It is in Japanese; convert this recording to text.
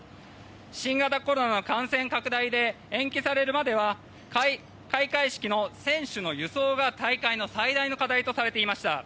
新型コロナの感染拡大で延期されるまでは開会式の選手の輸送が大会の最大の課題とされていました。